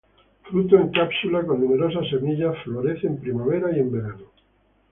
Fruto en cápsula, con numerosas semillas. Florece en primavera y verano.